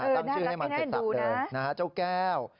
ตั้งชื่อให้มันติดตัดเจ้าแก้ว